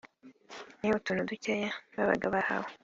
ni utuntu dukeya babaga bahawe